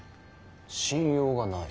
信用がない？